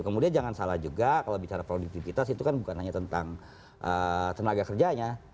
kemudian jangan salah juga kalau bicara produktivitas itu kan bukan hanya tentang tenaga kerjanya